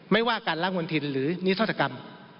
ไม่ว่าการล้างมณฑินหรือนิทธกรรม